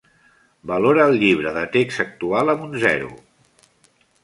Valora el llibre de text actual amb un zero